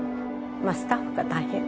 スタッフが大変。